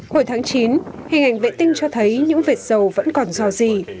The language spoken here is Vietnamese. hồi tháng chín hình ảnh vệ tinh cho thấy những vệt dầu vẫn còn dò dỉ